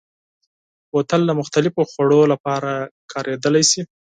بوتل د مختلفو خوړو لپاره کارېدلی شي.